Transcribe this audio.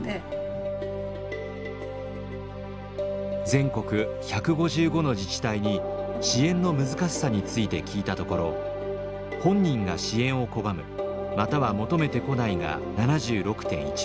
全国１５５の自治体に支援の難しさについて聞いたところ「本人が支援を拒むまたは求めてこない」が７６．１％。